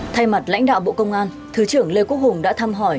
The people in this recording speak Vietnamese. thay mặt lãnh đạo bộ công an thứ trưởng lê quốc hùng đã thăm hỏi